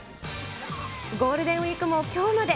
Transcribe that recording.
ゴールデンウィークもきょうまで。